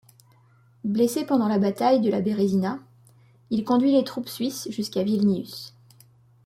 Blessé pendant la bataille de la Bérézina, il conduit les troupes suisses jusqu'à Vilnius.